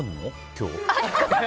今日。